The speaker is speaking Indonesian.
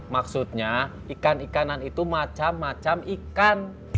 maksudnya ikan ikanan itu macam macam ikan